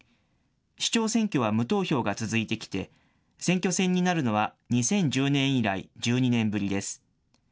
市長選挙は無投票が続いてきて選挙戦になるのは２０１０年以来、１２年ぶりです。